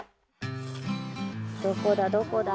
どこだどこだ？